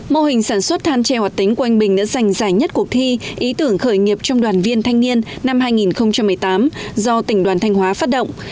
mô hình sản xuất than tre hoạt tính của anh bình đã giành giải nhất cuộc thi ý tưởng khởi nghiệp trong đoàn viên thanh niên năm hai nghìn một mươi tám do tỉnh đoàn thanh hóa phát động